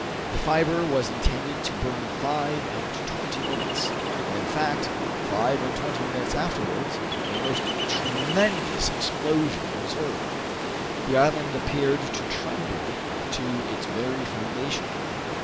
The fiber was intended to burn five and twenty minutes, and, in fact, five and twenty minutes afterwards a most tremendous explosion was heard. The island appeared to tremble to its very foundation.